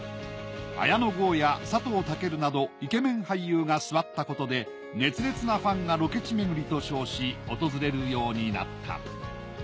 綾野剛や佐藤健などイケメン俳優が座ったことで熱烈なファンがロケ地巡りと称し訪れるようになった。